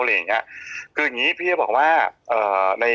คืออย่างนี้พี่จะบอกว่า